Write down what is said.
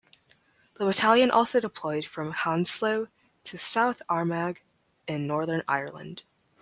The Battalion also deployed from Hounslow to South Armagh in Northern Ireland.